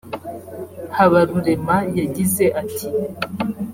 Habarurema yagize ati